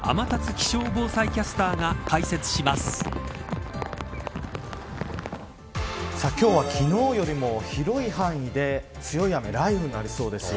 気象防災キャスターが今日は昨日よりも広い範囲で強い雨、雷雨になりそうです。